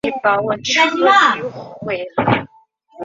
他居墓下。